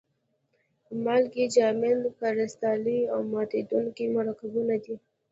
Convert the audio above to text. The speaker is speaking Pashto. مالګې جامد کرستلي او ماتیدونکي مرکبونه دي.